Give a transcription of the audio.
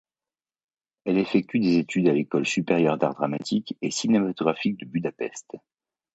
Elle effectue des études à l’École supérieure d'art dramatique et cinématographique de Budapest.